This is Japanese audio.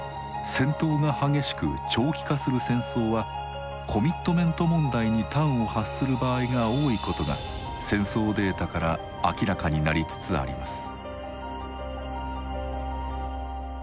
戦闘が激しく長期化する戦争はコミットメント問題に端を発する場合が多いことが戦争データから明らかになりつつあります。